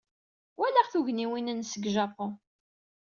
Walaɣ tugniwin-nnes deg Japun.